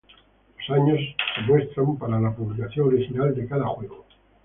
Los años son mostrados para la publicación original de cada juego.